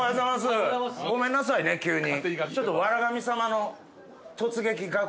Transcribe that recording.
ごめんなさいね急に。